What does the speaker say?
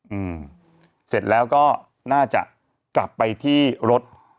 อืมเสร็จแล้วก็น่าจะกลับไปที่รถ